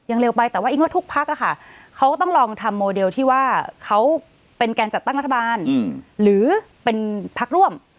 เร็วไปแต่ว่าอิ๊งว่าทุกพักเขาก็ต้องลองทำโมเดลที่ว่าเขาเป็นการจัดตั้งรัฐบาลหรือเป็นพักร่วม